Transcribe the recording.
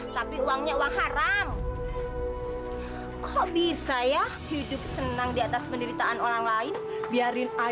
sampai jumpa di video selanjutnya